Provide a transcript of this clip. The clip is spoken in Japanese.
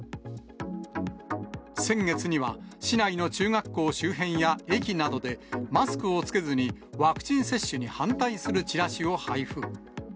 先月には、市内の中学校周辺や駅などで、マスクを着けずにワクチン接種に反対するチラシを配布。